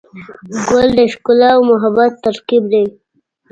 ګل د ښکلا او محبت ترکیب دی.